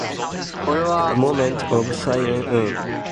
A moment of silence was held in his memory during the pregame ceremonies.